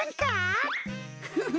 フフフ！